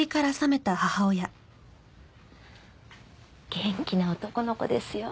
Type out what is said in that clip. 元気な男の子ですよ。